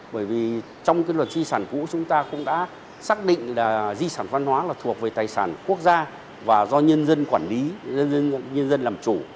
bởi vì trong cái luật di sản cũ chúng ta cũng đã xác định là di sản văn hóa là thuộc về tài sản quốc gia và do nhân dân quản lý nhân dân làm chủ